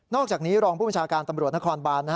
อกจากนี้รองผู้บัญชาการตำรวจนครบาน